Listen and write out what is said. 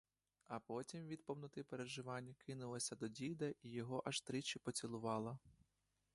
А потім, від повноти переживань, кинулася до діда і його аж тричі поцілувала.